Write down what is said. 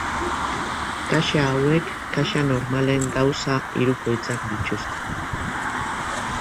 Kaxa hauek kaxa normalen gauza hirukoitzak dituzte.